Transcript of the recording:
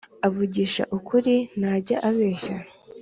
Avugisha ukuri, ntajya abeshya